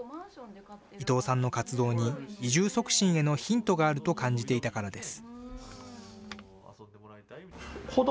伊藤さんの活動に移住促進へのヒントがあると感じていたからです。